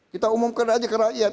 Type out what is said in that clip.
kita umumkan aja ke rakyat